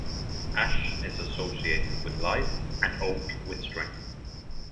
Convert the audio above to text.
Ash is associated with life and oak with strength.